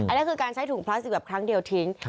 นั่นคือการใช้ถุงพลาสติกแบบครั้งเดียวทิ้ง